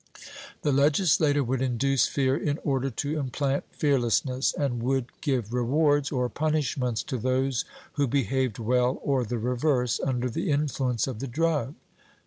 The legislator would induce fear in order to implant fearlessness; and would give rewards or punishments to those who behaved well or the reverse, under the influence of the drug?